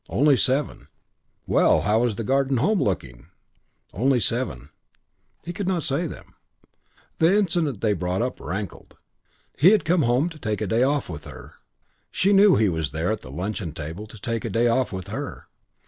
Only seven: "Well, how was the Garden Home looking?" Only seven. He could not say them. The incident they brought up rankled. He had come home to take a day off with her. She knew he was there at the luncheon table to take a day off with her.